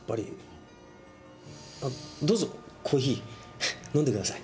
あどうぞコーヒー飲んでください。